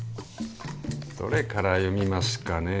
どれから読みますかねえ。